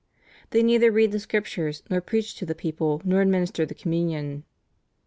They neither read the Scriptures, nor preach to the people, nor administer the communion."